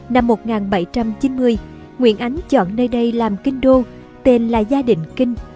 năm một nghìn bảy trăm chín mươi nguyễn ánh chọn nơi đây làm kinh đô tên là gia đình kinh